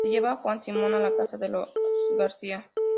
Se lleva a Juan Simón a la casa de los García.